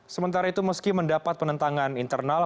sementara itu meski mendapat penentangan internal